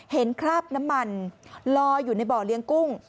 เห็นคราบน้ำมันลออยู่ในเบาะเลี้ยงกุ้ง